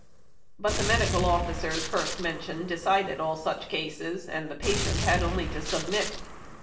But the medical officers first men tioned decided all such cases, and the patient had only to submit.